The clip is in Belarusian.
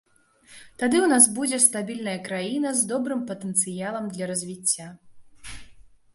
Тады ў нас будзе стабільная краіна з добрым патэнцыялам для развіцця.